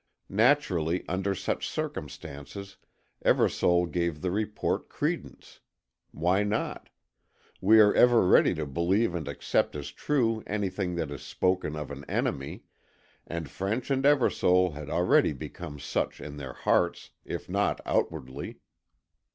Naturally, under such circumstances, Eversole gave the report credence. Why not? We are ever ready to believe and accept as true anything that is spoken of an enemy, and French and Eversole had already become such in their hearts, if not outwardly.